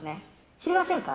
知りませんか？